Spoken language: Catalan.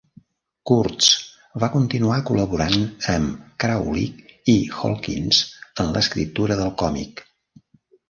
Kurtz va continuar col·laborant amb Krahulik i Holkins en l'escriptura del còmic.